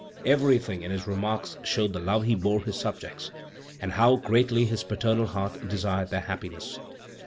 Everything in his remarks showed the love he bore his subjects and how greatly his paternal heart desired their happiness.